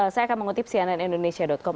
saya akan mengutip cnnindonesia com